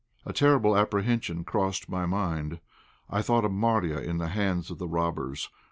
A terrible apprehension crossed my mind. I thought of Marya in the hands of the robbers.